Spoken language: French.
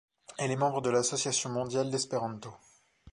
Elle est membre de l'association mondiale d'espéranto.